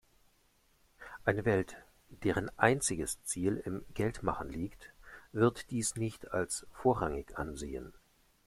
Eine Welt, deren einziges Ziel im Geldmachen liegt, wird dies nicht als vorrangig ansehen.